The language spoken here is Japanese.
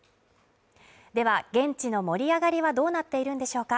では、現地の盛り上がりはどうなっているんでしょうか？